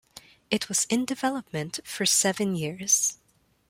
It was in-development for seven years.